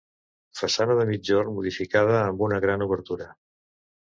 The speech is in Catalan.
Façana de migjorn modificada amb una gran obertura.